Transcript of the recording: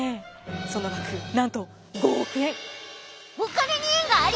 その額なんと５億円！